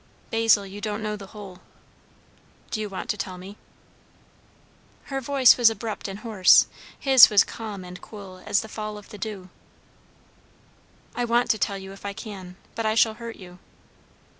"Basil, you don't know the whole." "Do you want to tell me?" Her voice was abrupt and hoarse; his was calm and cool as the fall of the dew. "I want to tell you if I can. But I shall hurt you."